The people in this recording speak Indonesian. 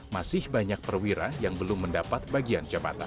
masih banyak perwira yang belum mendapat bagian jabatan